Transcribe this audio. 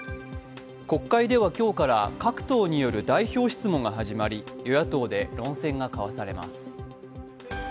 国会では今日から各党による代表質問が始まり与野党で論戦がかわされます。